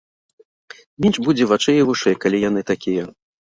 Менш будзе вачэй і вушэй, калі яны такія.